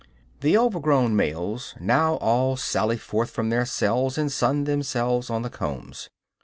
The overgrown males now all sally forth from their cells, and sun themselves on the combs.